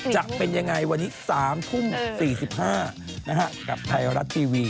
จะเป็นอย่างไรวันนี้๓ทุ่ม๔๕นาฬิกาไทยรัฐทีวี